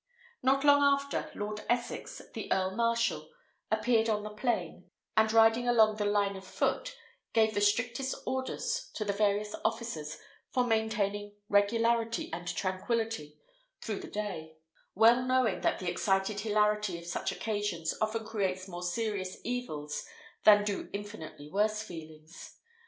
Not long after, Lord Essex, the earl marshal, appeared on the plain, and riding along the line of foot, gave the strictest orders to the various officers for maintaining regularity and tranquillity through the day; well knowing that the excited hilarity of such occasions often creates more serious evils than do infinitely worse feelings.